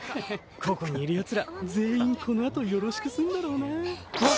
ここにいる奴ら全員このあとよろしくすんだろうな。